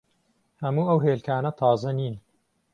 هەموو ئەو هێلکانە تازە نین.